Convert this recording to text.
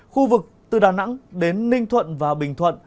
khu vực từ đà nẵng đến ninh thuận và bình thuận